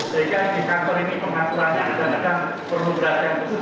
sehingga di kantor ini pengaturannya akan perlu berat yang khusus